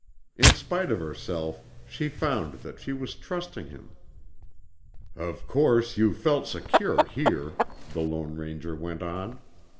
In spite of herself, she found that she was trusting him. "Of course, you felt secure here," the Lone Ranger went on.